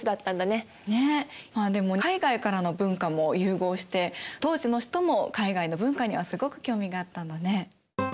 ねえまあでも海外からの文化も融合して当時の人も海外の文化にはすごく興味があったんだね。